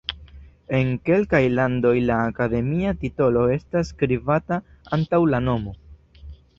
En kelkaj landoj la akademia titolo estas skribata antaŭ la nomo.